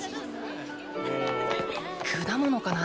果物かな？